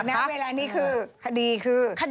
แล้วเวลานี้คดีคือ